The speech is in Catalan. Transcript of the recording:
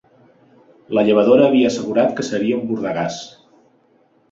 La llevadora havia assegurat que seria un bordegàs